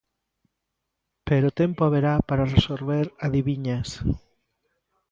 Pero tempo haberá para resolver adiviñas.